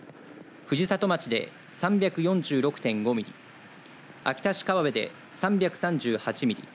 藤里町で３４６．５ミリ秋田市河辺で３３８ミリ